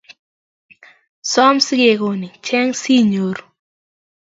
Som si kegonin cheng' siinyoru